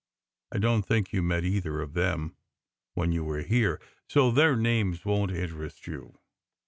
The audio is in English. I don t think you met either of them when you were here, so their names wouldn t interest you.